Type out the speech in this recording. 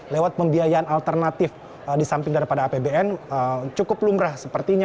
lewat pembiayaan alternatif di samping daripada apbn cukup lumrah sepertinya